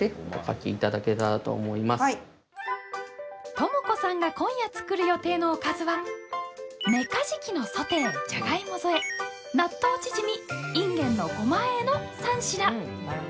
ともこさんが今夜、作る予定のおかずは「メカジキのソテーじゃがいも添え」「納豆チヂミ」「いんげんのゴマあえ」の３品。